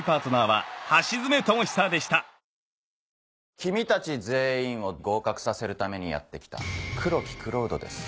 君たち全員を合格させるためにやって来た黒木蔵人です。